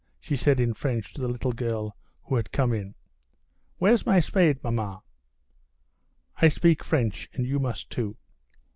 she said in French to the little girl who had come in. "Where's my spade, mamma?" "I speak French, and you must too."